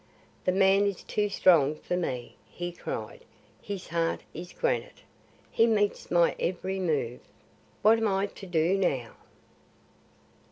"The man is too strong for me," he cried. "His heart is granite; he meets my every move. What am I to do now?"